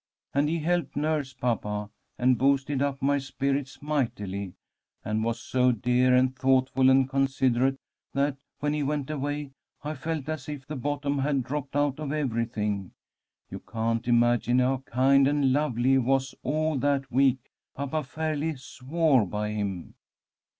And he helped nurse papa, and boosted up my spirits mightily, and was so dear and thoughtful and considerate that, when he went away, I felt as if the bottom had dropped out of everything. You can't imagine how kind and lovely he was all that week. Papa fairly swore by him.